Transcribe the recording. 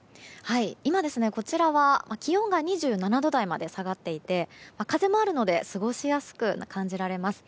今、こちらは気温が２７度台まで下がっていて風もあるので過ごしやすく感じられます。